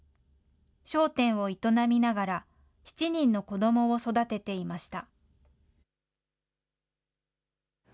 商店を営みながら、７人の子どもを育てていました。